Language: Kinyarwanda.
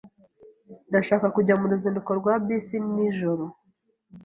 Ndashaka kujya mu ruzinduko rwa bisi nijoro.